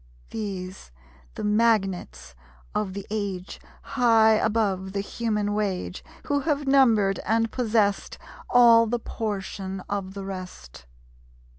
These, the magnates of the age, High above the human wage, Who have numbered and possesst All the portion of the rest!